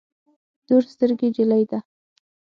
تور سترګي جلی ده